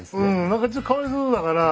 何かちょっとかわいそうだから。